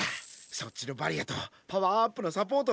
そっちのバリアとパワーアップのサポート！